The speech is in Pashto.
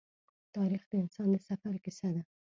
تاریخ د انسان د سفر کیسه ده.